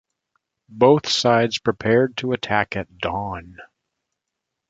Both sides prepared to attack at dawn.